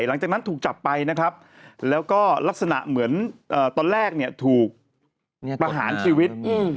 หลังจากนั้นถูกจับไปนะครับแล้วก็ลักษณะเหมือนตอนแรกเนี่ยถูกประหารชีวิต